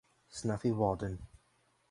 Snuffy Walden.